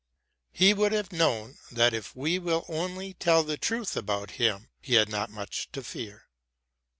He would have known that if we will only tell the truth about him he had not much to fear.